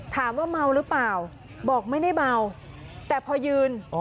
ถามว่าเมาหรือเปล่าบอกไม่ได้เมาแต่พอยืน